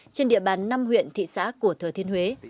trên địa bàn năm huyện thị xã của thừa thiên huế